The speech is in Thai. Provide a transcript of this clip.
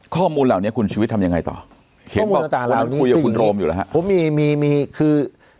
ข้อมูลเหล่านี้คุณชีวิตทำยังไงต่อเขียนว่าคุณคุยกับคุณโรมอยู่หรือครับ